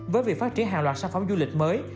với việc phát triển hàng loạt sản phẩm du lịch mới